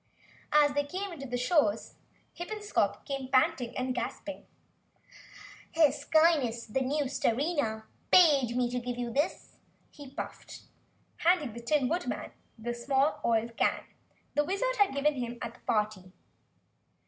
As they came to the shores of Half Moon Lake, Hippenscop came panting and gasping into view. "Her Skyness the new Starina, bade me give you this," he puffed, handing the Tin Woodman the small oil can the Wizard had given him at the party.